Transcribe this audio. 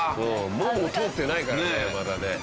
もも通ってないからねまだね。